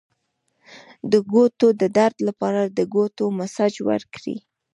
د ګوتو د درد لپاره د ګوتو مساج وکړئ